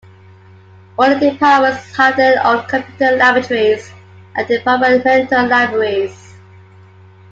All the departments have their own computer laboratories and departmental libraries.